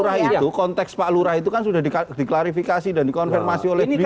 dan konteks pak lura itu kan sudah diklarifikasi dan dikonfirmasi oleh beliau